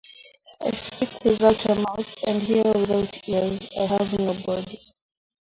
I speak without a mouth and hear without ears. I have no body